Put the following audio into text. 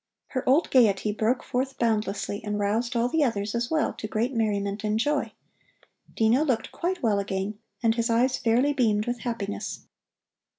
Her old gaiety broke forth boundlessly and roused all the others as well to great merriment and joy. Dino looked quite well again, and his eyes fairly beamed with happiness.